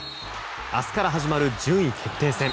明日から始まる順位決定戦。